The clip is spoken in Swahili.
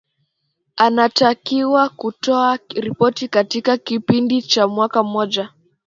anatakiwa kutoa ripoti katika kipindi cha mwaka mmoja